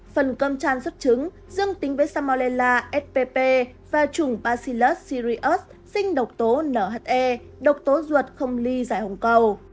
phần cơm tràn xuất trứng dương tính với samolella spp và trùng bacillus sirius sinh độc tố nhe độc tố ruột không ly giải hồng cầu